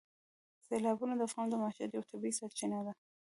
سیلابونه د افغانانو د معیشت یوه طبیعي سرچینه ده.